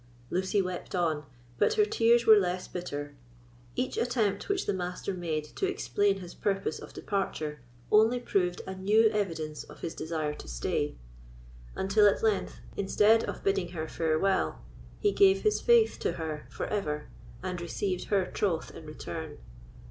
Lucy wept on, but her tears were less bitter. Each attempt which the Master made to explain his purpose of departure only proved a new evidence of his desire to stay; until, at length, instead of bidding her farewell, he gave his faith to her for ever, and received her troth in return.